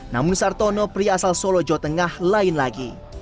namun sartono pria asal solo jawa tengah lain lagi